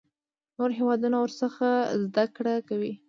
نور هیوادونه ورڅخه زده کړه کوي.